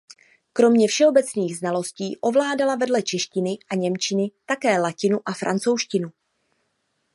Kromě všeobecných znalostí ovládala vedle češtiny a němčiny také latinu a francouzštinu.